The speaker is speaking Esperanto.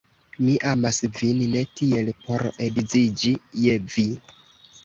Mi amas vin ne tiel, por edziĝi je vi.